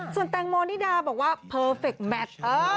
ส่วนแตงโมนิดาบอกว่าเพอร์เฟคแมท